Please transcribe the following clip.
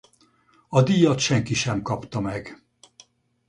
A díjat senki sem kapta meg.